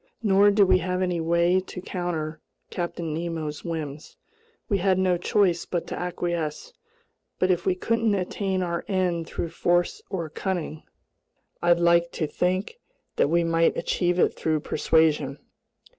Nor did we have any way to counter Captain Nemo's whims. We had no choice but to acquiesce; but if we couldn't attain our end through force or cunning, I liked to think we might achieve it through persuasion.